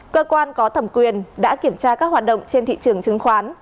cơ quan có thẩm quyền đã kiểm tra các hoạt động trên thị trường chứng khoán